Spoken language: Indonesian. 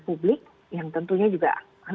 publik yang tentunya juga